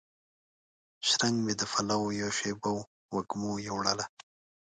شرنګ مې د پاولو یوه شیبه وه وږمو یووړله